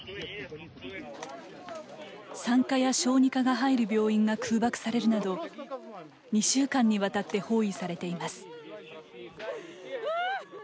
産科や小児科が入る病院が空爆されるなど２週間にわたって包囲されています。